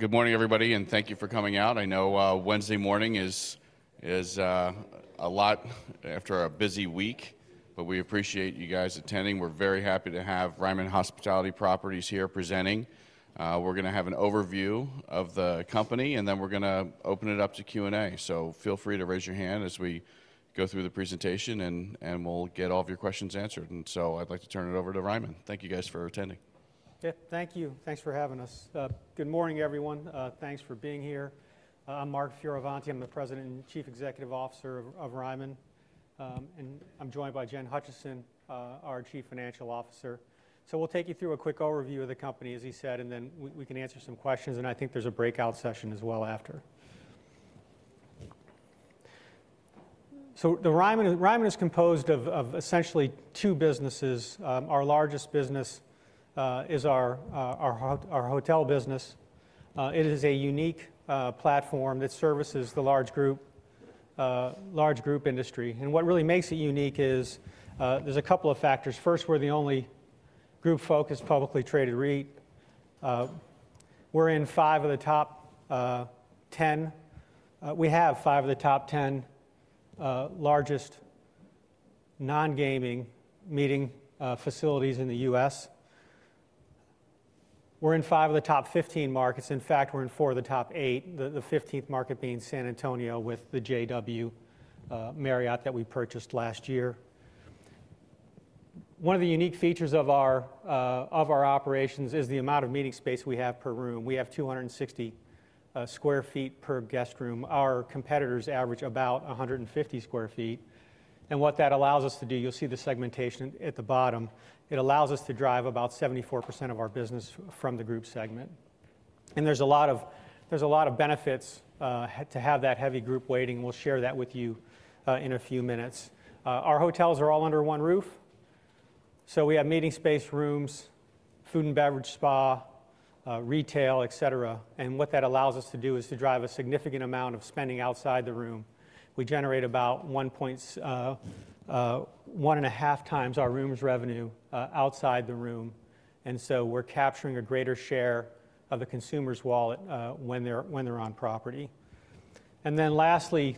Good morning, everybody, and thank you for coming out. I know, Wednesday morning is a lot after a busy week, but we appreciate you guys attending. We're very happy to have Ryman Hospitality Properties here presenting. We're gonna have an overview of the company, and then we're gonna open it up to Q&A. So feel free to raise your hand as we go through the presentation, and we'll get all of your questions answered. I'd like to turn it over to Ryman. Thank you guys for attending. Yeah, thank you. Thanks for having us. Good morning, everyone. Thanks for being here. I'm Mark Fioravanti. I'm the President and Chief Executive Officer of Ryman. And I'm joined by Jen Hutcheson, our Chief Financial Officer. So we'll take you through a quick overview of the company, as he said, and then we can answer some questions, and I think there's a breakout session as well after. So Ryman is composed of essentially two businesses. Our largest business is our hotel business. It is a unique platform that services the large group industry. And what really makes it unique is, there's a couple of factors. First, we're the only group-focused, publicly traded REIT. We're in five of the top 10. We have five of the top ten largest non-gaming meeting facilities in the U.S. We're in five of the top fifteen markets. In fact, we're in four of the top eight, the fifteenth market being San Antonio with the JW Marriott that we purchased last year. One of the unique features of our operations is the amount of meeting space we have per room. We have 260 sq ft per guest room. Our competitors average about 150 sq ft. And what that allows us to do, you'll see the segmentation at the bottom, it allows us to drive about 74% of our business from the group segment. And there's a lot of benefits to have that heavy group weighting. We'll share that with you in a few minutes. Our hotels are all under one roof. So we have meeting space, rooms, Food and Beverage, spa, retail, et cetera. And what that allows us to do is to drive a significant amount of spending outside the room. We generate about 1.7x, 1.5x our rooms revenue, outside the room. And so we're capturing a greater share of the consumer's wallet, when they're on property. And then lastly,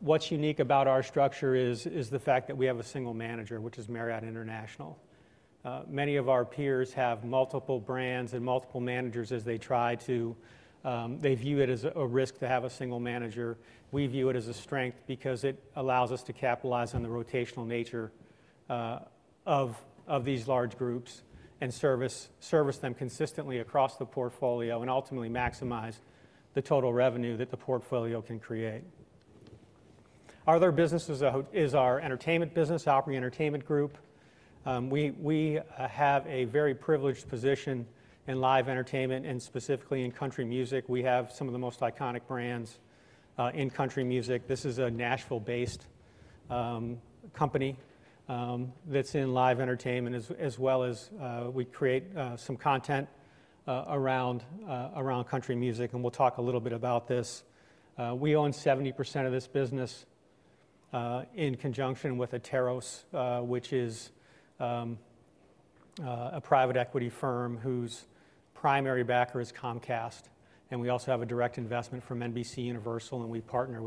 what's unique about our structure is the fact that we have a single manager, which is Marriott International. Many of our peers have multiple brands and multiple managers as they try to, they view it as a risk to have a single manager. We view it as a strength because it allows us to capitalize on the rotational nature of these large groups and service them consistently across the portfolio and ultimately maximize the total revenue that the portfolio can create. Our other business is our entertainment business, Opry Entertainment Group. We have a very privileged position in live entertainment and specifically in country music. We have some of the most iconic brands in country music. This is a Nashville-based company that's in live entertainment as well as we create some content around country music. And we'll talk a little bit about this. We own 70% of this business in conjunction with Atairos, which is a private equity firm whose primary backer is Comcast. And we also have a direct investment from NBCUniversal, and we partner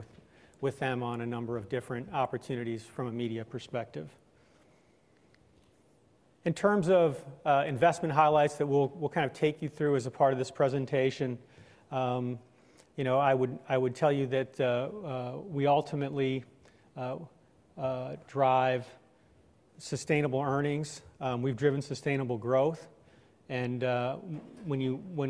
with them on a number of different opportunities from a media perspective. In terms of investment highlights that we'll kind of take you through as a part of this presentation, you know, I would tell you that we ultimately drive sustainable earnings. We've driven sustainable growth. When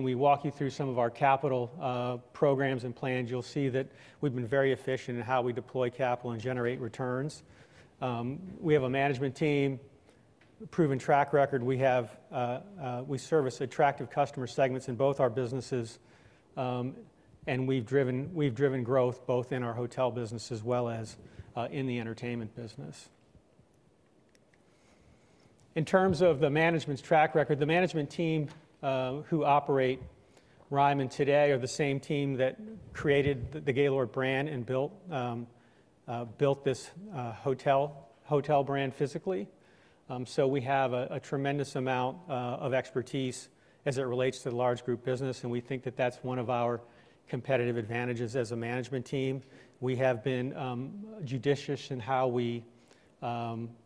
we walk you through some of our capital programs and plans, you'll see that we've been very efficient in how we deploy capital and generate returns. We have a management team proven track record. We service attractive customer segments in both our businesses. We've driven growth both in our hotel business as well as in the entertainment business. In terms of the management's track record, the management team who operate Ryman today are the same team that created the Gaylord brand and built this hotel brand physically. We have a tremendous amount of expertise as it relates to the large group business, and we think that that's one of our competitive advantages as a management team. We have been judicious in how we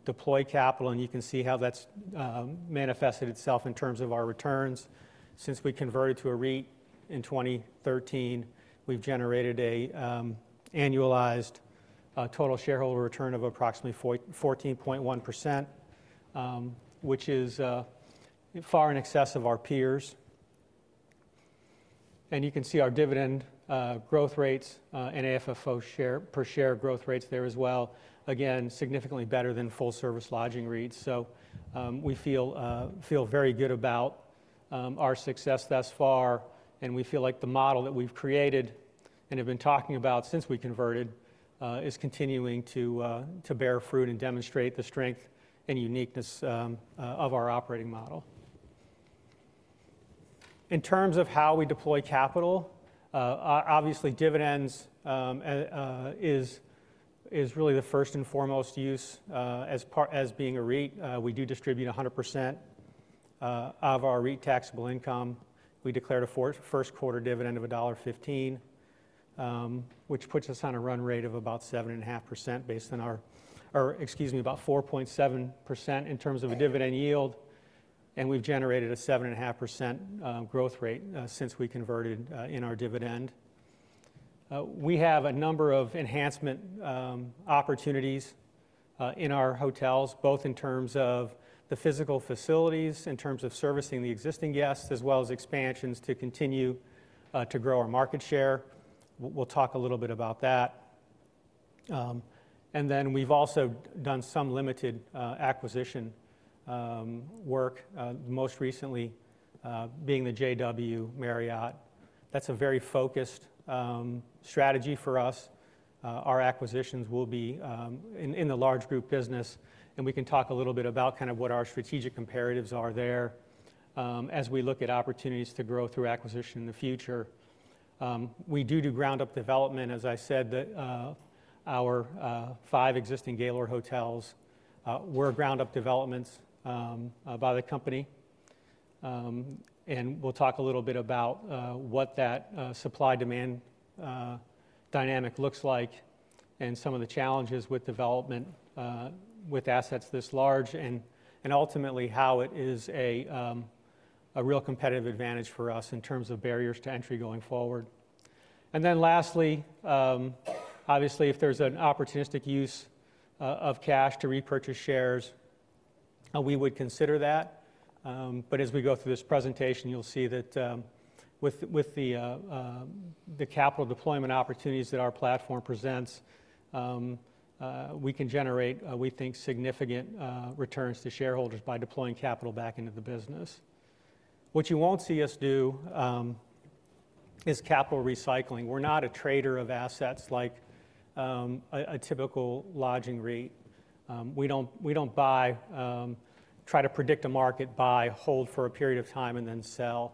deploy capital, and you can see how that's manifested itself in terms of our returns. Since we converted to a REIT in 2013, we've generated an annualized total shareholder return of approximately 14.1%, which is far in excess of our peers. You can see our dividend growth rates and AFFO per share growth rates there as well. Again, significantly better than full-service lodging REITs. We feel very good about our success thus far, and we feel like the model that we've created and have been talking about since we converted is continuing to bear fruit and demonstrate the strength and uniqueness of our operating model. In terms of how we deploy capital, obviously dividends is really the first and foremost use, as part of being a REIT. We do distribute 100% of our REIT taxable income. We declared a first quarter dividend of $1.15, which puts us on a run rate of about 7.5% based on our, excuse me, about 4.7% in terms of a dividend yield. We've generated a 7.5% growth rate since we converted in our dividend. We have a number of enhancement opportunities in our hotels, both in terms of the physical facilities, in terms of servicing the existing guests, as well as expansions to continue to grow our market share. We'll talk a little bit about that, and then we've also done some limited acquisition work, most recently being the JW Marriott. That's a very focused strategy for us. Our acquisitions will be in the large group business, and we can talk a little bit about kind of what our strategic imperatives are there, as we look at opportunities to grow through acquisition in the future. We do ground-up development. As I said, our five existing Gaylord Hotels were ground-up developments by the company, and we'll talk a little bit about what that supply-demand dynamic looks like and some of the challenges with development with assets this large, and ultimately how it is a real competitive advantage for us in terms of barriers to entry going forward, and then lastly, obviously if there's an opportunistic use of cash to repurchase shares, we would consider that, but as we go through this presentation, you'll see that with the capital deployment opportunities that our platform presents, we can generate, we think, significant returns to shareholders by deploying capital back into the business. What you won't see us do is capital recycling. We're not a trader of assets like a typical lodging REIT. We don't try to predict a market, buy, hold for a period of time, and then sell.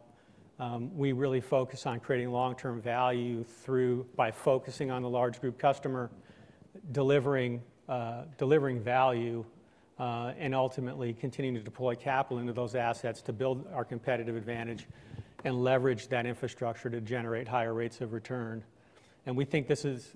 We really focus on creating long-term value by focusing on the large group customer, delivering value, and ultimately continuing to deploy capital into those assets to build our competitive advantage and leverage that infrastructure to generate higher rates of return. We think this is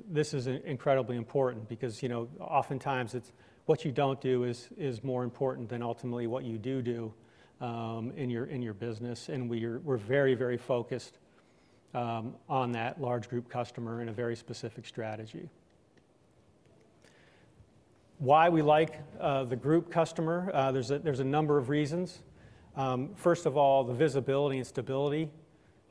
incredibly important because, you know, oftentimes it's what you don't do is more important than ultimately what you do in your business. We are very, very focused on that large group customer in a very specific strategy. Why we like the group customer, there's a number of reasons. First of all, the visibility and stability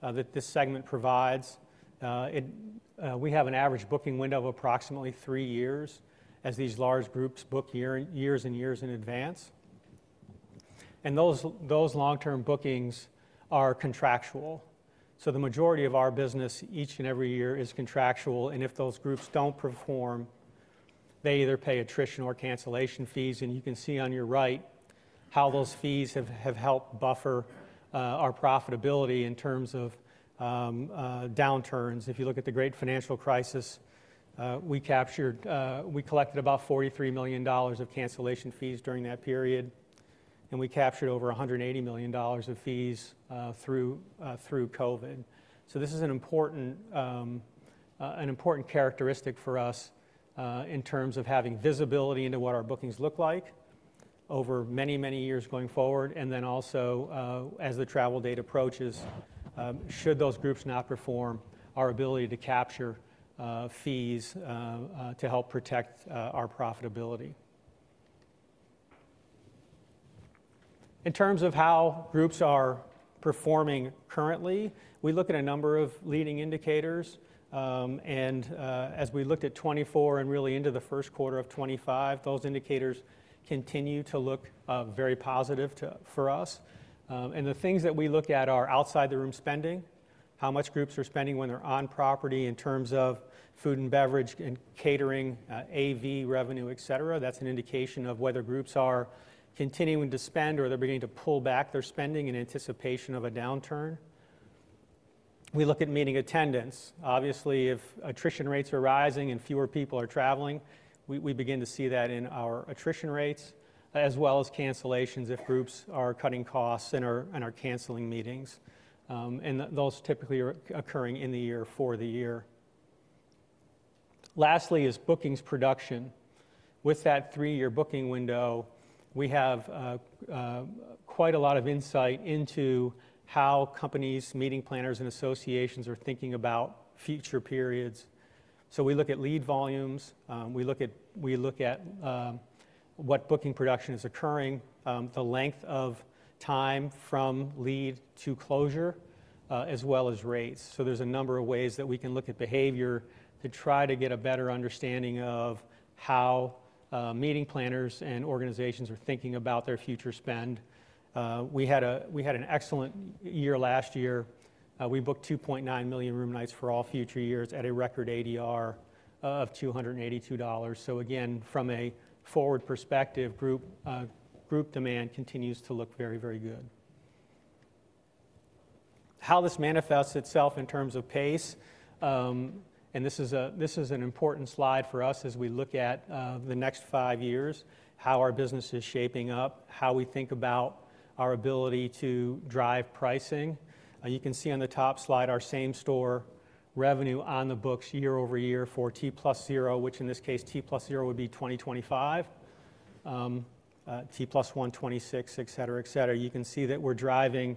that this segment provides. We have an average booking window of approximately three years as these large groups book years in advance. Those long-term bookings are contractual. The majority of our business each and every year is contractual. If those groups don't perform, they either pay attrition or cancellation fees. You can see on your right how those fees have helped buffer our profitability in terms of downturns. If you look at the great financial crisis, we collected about $43 million of cancellation fees during that period, and we captured over $180 million of fees through COVID. This is an important characteristic for us in terms of having visibility into what our bookings look like over many years going forward. And then also, as the travel date approaches, should those groups not perform, our ability to capture fees to help protect our profitability. In terms of how groups are performing currently, we look at a number of leading indicators. And, as we looked at 2024 and really into the first quarter of 2025, those indicators continue to look very positive, too, for us. And the things that we look at are outside-the-room spending, how much groups are spending when they're on property in terms of Food and Beverage and Catering, AV revenue, et cetera. That's an indication of whether groups are continuing to spend or they're beginning to pull back their spending in anticipation of a downturn. We look at meeting attendance. Obviously, if attrition rates are rising and fewer people are traveling, we begin to see that in our attrition rates, as well as cancellations if groups are cutting costs and are canceling meetings, and those typically are occurring in the year for the year. Lastly is bookings production. With that three-year booking window, we have quite a lot of insight into how companies, meeting planners, and associations are thinking about future periods. So we look at lead volumes. We look at what booking production is occurring, the length of time from lead to closure, as well as rates. So there's a number of ways that we can look at behavior to try to get a better understanding of how meeting planners and organizations are thinking about their future spend. We had an excellent year last year. We booked 2.9 million room nights for all future years at a record ADR of $282. So again, from a forward perspective, group, group demand continues to look very, very good. How this manifests itself in terms of pace, and this is an important slide for us as we look at, the next five years, how our business is shaping up, how we think about our ability to drive pricing. You can see on the top slide our same store revenue on the books year over year for T plus zero, which in this case T plus zero would be 2025, T plus 126, et cetera, et cetera. You can see that we're driving,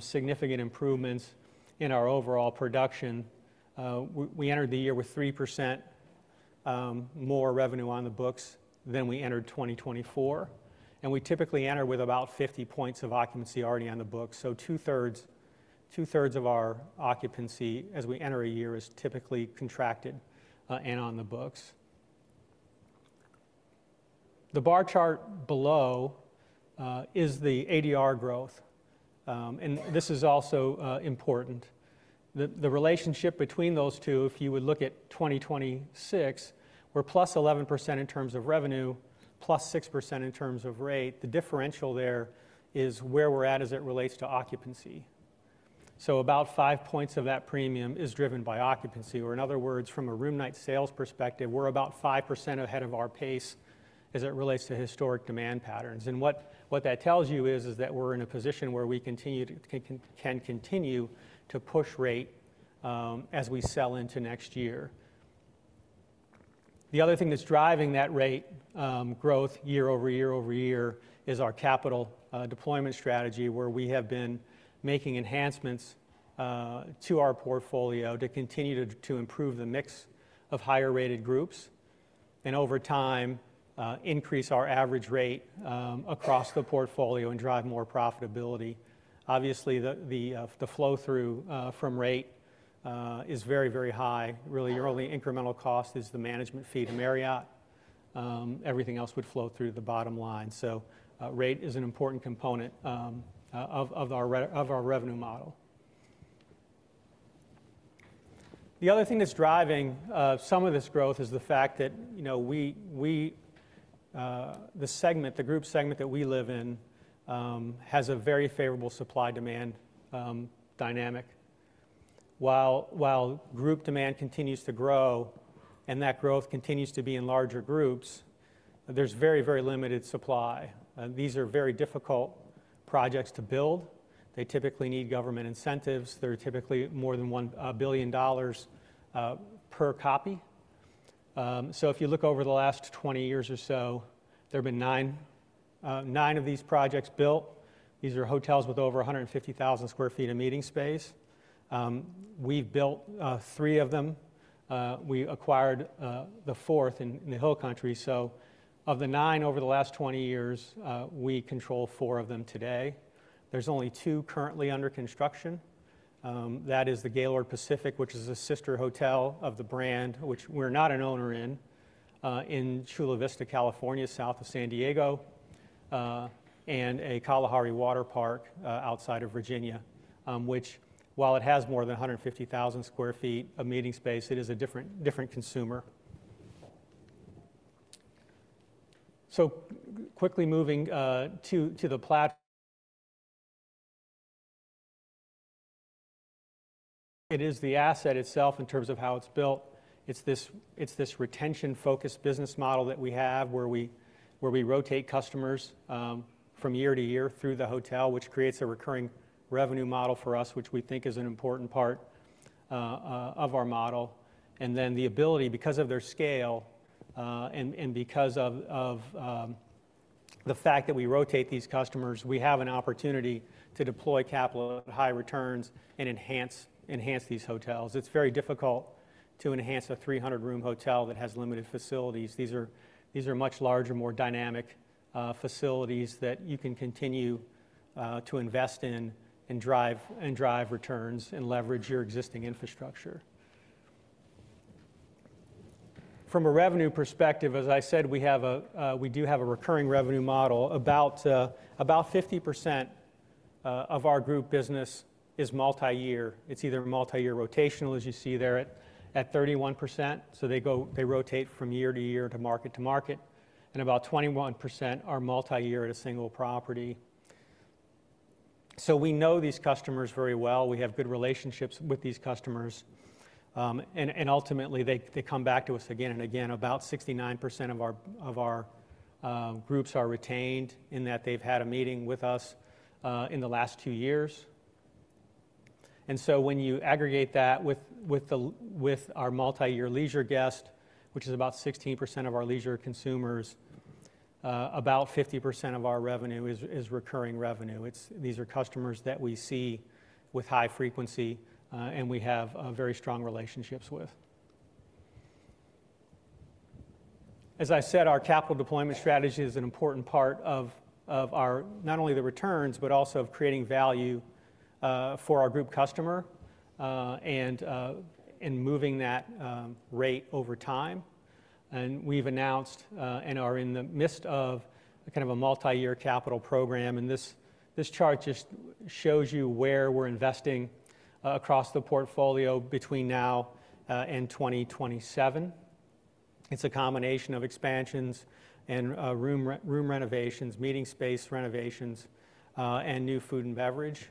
significant improvements in our overall production. We, we entered the year with 3% more revenue on the books than we entered 2024. We typically enter with about 50 points of occupancy already on the books. Two-thirds of our occupancy as we enter a year is typically contracted, and on the books. The bar chart below is the ADR growth, and this is also important. The relationship between those two, if you would look at 2026, we're +11% in terms of revenue, +6% in terms of rate. The differential there is where we're at as it relates to occupancy. About five points of that premium is driven by occupancy. Or in other words, from a room night sales perspective, we're about 5% ahead of our pace as it relates to historic demand patterns. What that tells you is that we're in a position where we can continue to push rate, as we sell into next year. The other thing that's driving that rate growth year-over-year-over-year is our capital deployment strategy where we have been making enhancements to our portfolio to continue to improve the mix of higher rated groups and over time increase our average rate across the portfolio and drive more profitability. Obviously, the flow through from rate is very very high. Really, your only incremental cost is the management fee to Marriott. Everything else would flow through the bottom line. So, rate is an important component of our revenue model. The other thing that's driving some of this growth is the fact that, you know, we the segment, the group segment that we live in, has a very favorable supply-demand dynamic. While group demand continues to grow and that growth continues to be in larger groups, there's very very limited supply. These are very difficult projects to build. They typically need government incentives. They're typically more than $1 billion, per copy. So if you look over the last 20 years or so, there have been nine, nine of these projects built. These are hotels with over 150,000 sq ft of meeting space. We've built three of them. We acquired the fourth in, in the Hill Country. So of the nine over the last 20 years, we control four of them today. There's only two currently under construction. That is the Gaylord Pacific, which is a sister hotel of the brand, which we're not an owner in, in Chula Vista, California, South of San Diego, and a Kalahari Water Park outside of Virginia, which, while it has more than 150,000 sq ft of meeting space, it is a different consumer. So quickly moving to the platform, it is the asset itself in terms of how it's built. It's this retention-focused business model that we have where we rotate customers from year-to-year through the hotel, which creates a recurring revenue model for us, which we think is an important part of our model. And then the ability, because of their scale and because of the fact that we rotate these customers, we have an opportunity to deploy capital at high returns and enhance these hotels. It's very difficult to enhance a 300-room hotel that has limited facilities. These are much larger, more dynamic facilities that you can continue to invest in and drive returns and leverage your existing infrastructure. From a revenue perspective, as I said, we do have a recurring revenue model. About 50% of our group business is multi-year. It's either multi-year rotational, as you see there at 31%. So they rotate from year-to-year to market-to-market, and about 21% are multi-year at a single property. So we know these customers very well. We have good relationships with these customers. Ultimately they come back to us again and again. About 69% of our groups are retained in that they've had a meeting with us in the last two years. So when you aggregate that with our multi-year leisure guest, which is about 16% of our leisure consumers, about 50% of our revenue is recurring revenue. These are customers that we see with high frequency, and we have very strong relationships with. As I said, our capital deployment strategy is an important part of our not only the returns, but also of creating value for our group customer and moving that rate over time. We've announced and are in the midst of a kind of a multi-year capital program. This chart just shows you where we're investing across the portfolio between now and 2027. It's a combination of expansions and room renovations, meeting space renovations, and new Food and Beverage.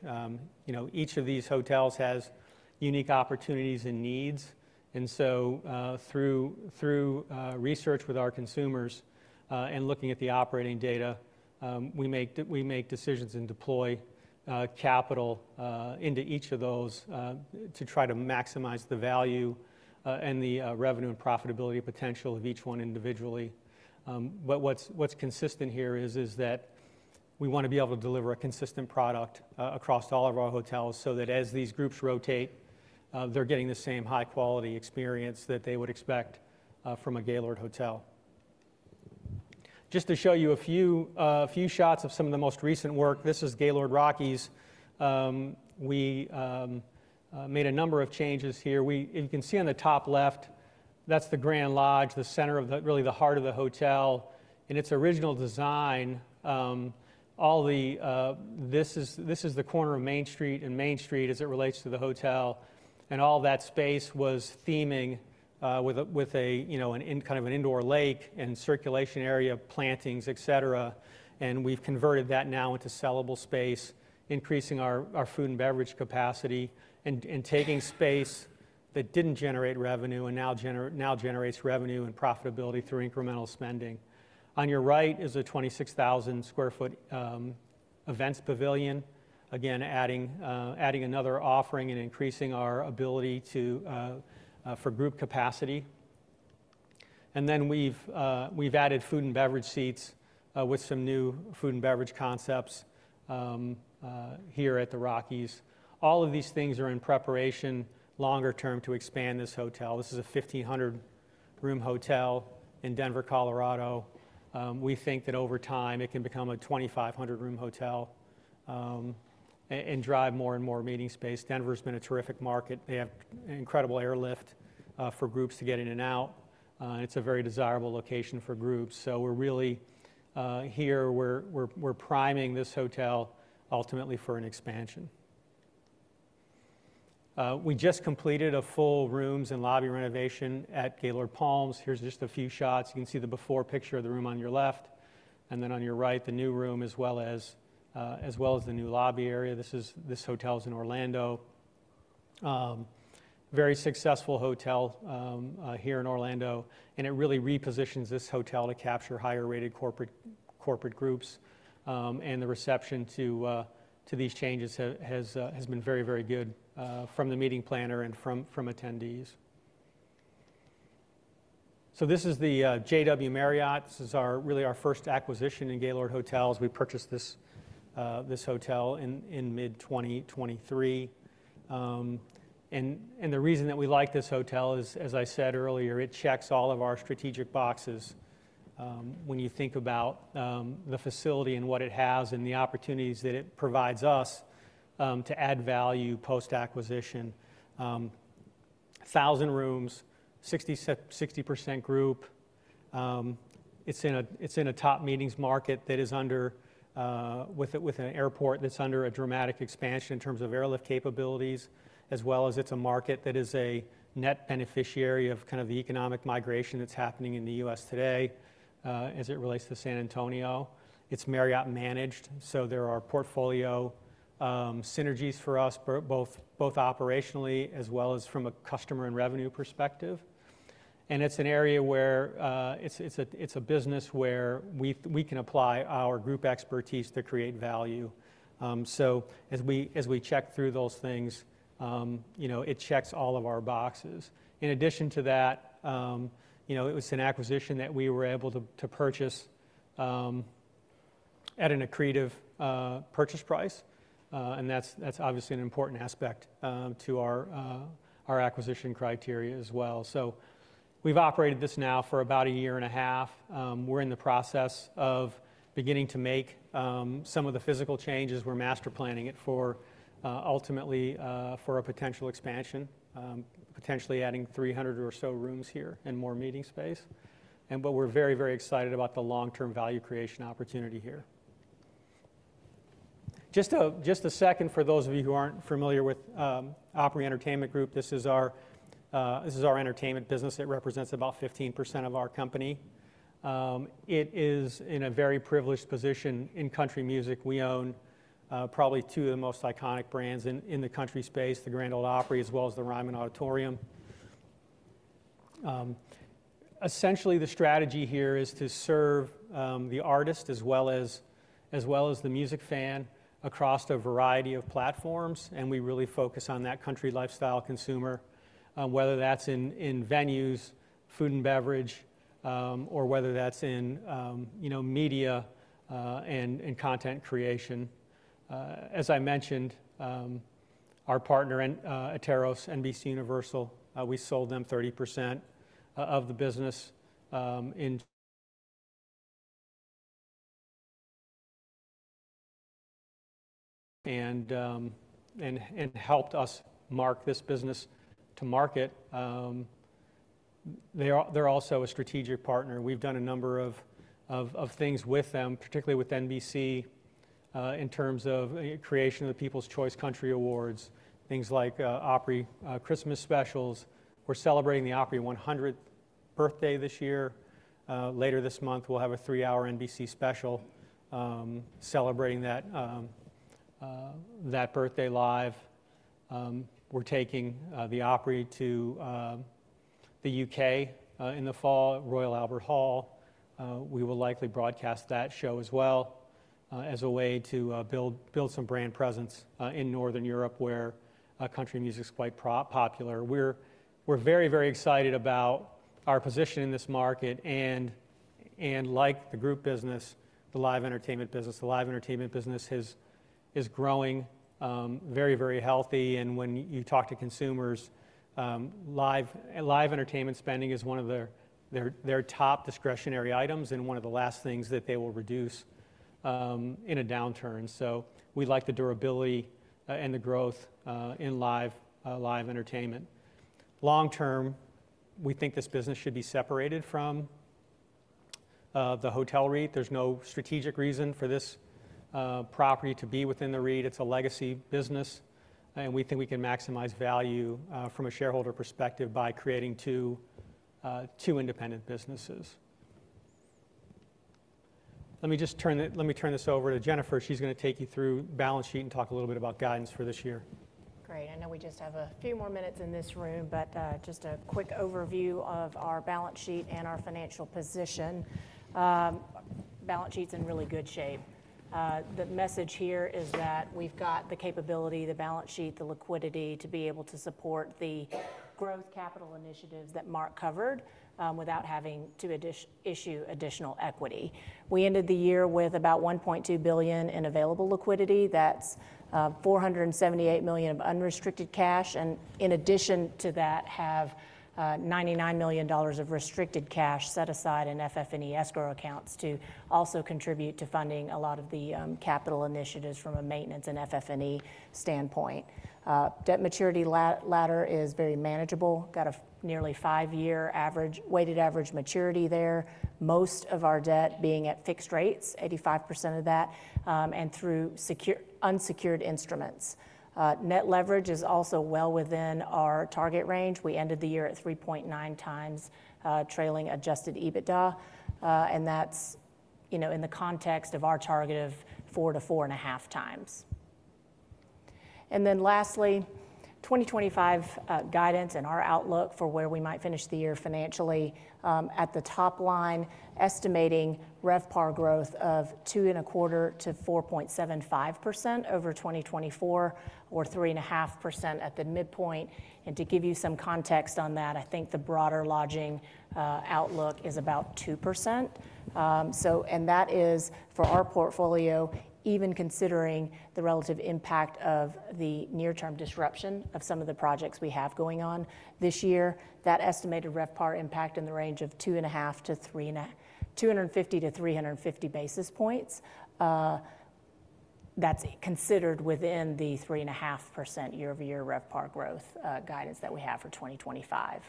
You know, each of these hotels has unique opportunities and needs. Through research with our consumers and looking at the operating data, we make decisions and deploy capital into each of those to try to maximize the value and the revenue and profitability potential of each one individually. But what's consistent here is that we wanna be able to deliver a consistent product across all of our hotels so that as these groups rotate, they're getting the same high-quality experience that they would expect from a Gaylord Hotel. Just to show you a few shots of some of the most recent work, this is Gaylord Rockies. We made a number of changes here. You can see on the top left, that's the Grand Lodge, the center of the really the heart of the hotel in its original design. All the, this is the corner of Main Street and Main Street as it relates to the hotel. And all that space was theming with a you know an in kind of an indoor lake and circulation area, plantings, et cetera. And we've converted that now into sellable space, increasing our Food and Beverage capacity and taking space that didn't generate revenue and now generates revenue and profitability through incremental spending. On your right is a 26,000 sq ft events pavilion. Again, adding another offering and increasing our ability for group capacity. And then we've added Food and Beverage seats, with some new Food and Beverage concepts, here at the Rockies. All of these things are in preparation longer term to expand this hotel. This is a 1,500-room hotel in Denver, Colorado. We think that over time it can become a 2,500-room hotel, and drive more and more meeting space. Denver's been a terrific market. They have incredible airlift for groups to get in and out. It's a very desirable location for groups. So we're really priming this hotel ultimately for an expansion. We just completed a full rooms and lobby renovation at Gaylord Palms. Here's just a few shots. You can see the before picture of the room on your left, and then on your right, the new room, as well as the new lobby area. This hotel's in Orlando, a very successful hotel here in Orlando, and it really repositions this hotel to capture higher rated corporate groups. And the reception to these changes has been very, very good, from the meeting planner and from attendees. This is the JW Marriott. This is really our first acquisition in Gaylord Hotels. We purchased this hotel in mid-2023. The reason that we like this hotel is, as I said earlier, it checks all of our strategic boxes. When you think about the facility and what it has and the opportunities that it provides us to add value post-acquisition, 1,000 rooms, 60% group. It's in a top meetings market that is underserved with an airport, and it's under a dramatic expansion in terms of airlift capabilities, as well as it's a market that is a net beneficiary of kind of the economic migration that's happening in the U.S. today, as it relates to San Antonio. It's Marriott managed, so there are portfolio synergies for us, both operationally as well as from a customer and revenue perspective. It's an area where it's a business where we can apply our group expertise to create value. So as we check through those things, you know, it checks all of our boxes. In addition to that, you know, it was an acquisition that we were able to to purchase at an accretive purchase price. And that's obviously an important aspect to our acquisition criteria as well. So we've operated this now for about a year and a half. We're in the process of beginning to make some of the physical changes. We're master planning it for ultimately for a potential expansion, potentially adding 300 or so rooms here and more meeting space. But we're very, very excited about the long-term value creation opportunity here. Just a second for those of you who aren't familiar with Opry Entertainment Group, this is our entertainment business. It represents about 15% of our company. It is in a very privileged position in country music. We own, probably two of the most iconic brands in the country space, the Grand Ole Opry, as well as the Ryman Auditorium. Essentially the strategy here is to serve the artist as well as the music fan across a variety of platforms. We really focus on that country lifestyle consumer, whether that's in venues, Food and Beverage, or whether that's in, you know, Media and Content creation. As I mentioned, our partner in Atairos, NBCUniversal, we sold them 30% of the business and helped us mark this business to market. They are also a strategic partner. We've done a number of things with them, particularly with NBC, in terms of creation of the People's Choice Country Awards, things like Opry Christmas specials. We're celebrating the Opry 100th birthday this year. Later this month, we'll have a three-hour NBC special celebrating that birthday live. We're taking the Opry to the U.K. in the fall at Royal Albert Hall. We will likely broadcast that show as well, as a way to build some brand presence in Northern Europe where country music's quite popular. We're very, very excited about our position in this market, and like the group business, the live entertainment business is growing very, very healthy, and when you talk to consumers, live entertainment spending is one of their top discretionary items and one of the last things that they will reduce in a downturn, so we like the durability and the growth in live entertainment. Long-term, we think this business should be separated from the hotel REIT. There's no strategic reason for this property to be within the REIT. It's a legacy business, and we think we can maximize value from a shareholder perspective by creating two independent businesses. Let me just turn this over to Jennifer. She's gonna take you through balance sheet and talk a little bit about guidance for this year. Great. I know we just have a few more minutes in this room, but just a quick overview of our balance sheet and our financial position. The balance sheet's in really good shape. The message here is that we've got the capability, the balance sheet, the liquidity to be able to support the growth capital initiatives that Mark covered, without having to issue additional equity. We ended the year with about $1.2 billion in available liquidity. That's $478 million of unrestricted cash. And in addition to that, we have $99 million of restricted cash set aside in FF&E escrow accounts to also contribute to funding a lot of the capital initiatives from a maintenance and FF&E standpoint. The debt maturity ladder is very manageable. Got a nearly five-year average weighted average maturity there. Most of our debt being at fixed rates, 85% of that, and through secured and unsecured instruments. Net leverage is also well within our target range. We ended the year at 3.9x trailing adjusted EBITDA, and that's, you know, in the context of our target of 4x-4.5x. Lastly, our 2025 guidance and outlook for where we might finish the year financially. At the top line, estimating RevPAR growth of 2.25%-4.75% over 2024, or 3.5% at the midpoint. And to give you some context on that, I think the broader lodging outlook is about 2%. So, and that is for our portfolio, even considering the relative impact of the near-term disruption of some of the projects we have going on this year, that estimated RevPAR impact in the range of 2.5%-3% and 250-350 basis points. That's considered within the 3.5% year-over-year RevPAR growth guidance that we have for 2025.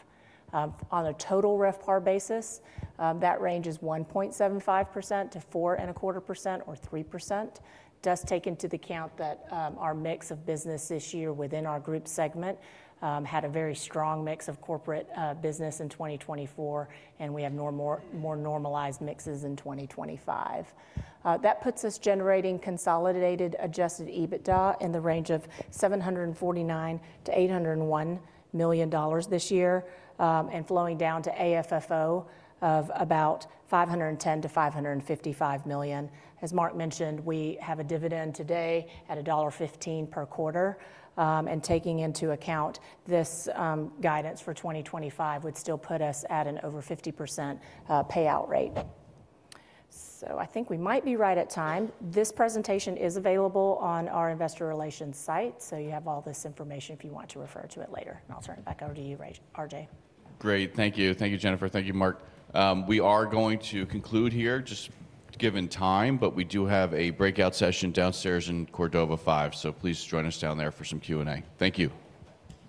On a total RevPAR basis, that range is 1.75%-4.25% or 3%. does take into account that our mix of business this year within our group segment had a very strong mix of corporate business in 2024, and we have normal, more normalized mixes in 2025. That puts us generating consolidated Adjusted EBITDA in the range of $749 million-$801 million this year, and flowing down to AFFO of about $510 million-$555 million. As Mark mentioned, we have a dividend today at $1.15 per quarter. And taking into account this, guidance for 2025 would still put us at an over 50% payout rate. So I think we might be right at time. This presentation is available on our investor relations site, so you have all this information if you want to refer to it later. And I'll turn it back over to you, R.J. Great. Thank you. Thank you, Jennifer. Thank you, Mark. We are going to conclude here, just given time, but we do have a breakout session downstairs in Cordova 5, so please join us down there for some Q&A. Thank you.